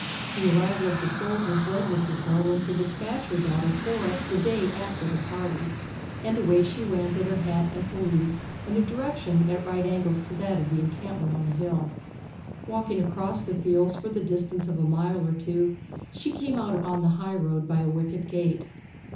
The arrival of the soldiers led Mrs. Garland to despatch her daughter for it the day after the party; and away she went in her hat and pelisse, in a direction at right angles to that of the encampment on the hill. Walking across the fields for the distance of a mile or two, she came out upon the high road by a wicket gate.